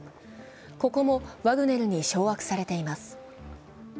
ここもワグネルに掌握されています。